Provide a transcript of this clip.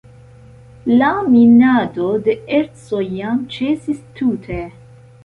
La minado de ercoj jam ĉesis tute.